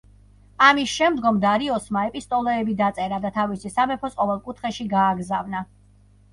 ამის შემდგომ დარიოსმა ეპისტოლეები დაწერა და თავისი სამეფოს ყოველ კუთხეში გააგზავნა.